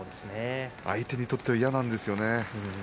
相手にとっては嫌なんですよね。